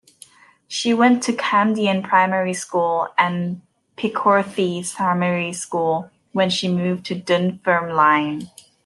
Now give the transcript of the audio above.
She went to Camdean Primary School.and Pitcorthie Primary School when she moved to Dunfermline.